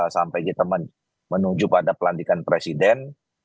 sampai kita menuju pada pelantikan presiden